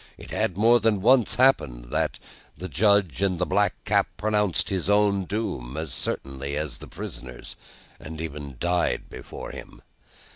It had more than once happened, that the Judge in the black cap pronounced his own doom as certainly as the prisoner's, and even died before him.